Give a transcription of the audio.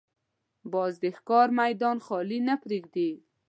باز د ښکار میدان خالي نه پرېږدي